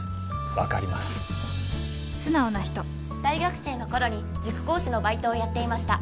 分かります素直な人大学生の頃に塾講師のバイトをやっていました